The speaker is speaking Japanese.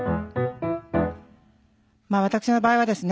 まあ私の場合はですね